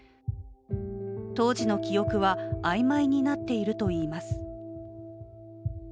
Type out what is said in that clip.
当時の記憶は曖昧になっているといいます。